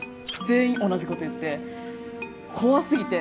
全員同じこと言って恐すぎて。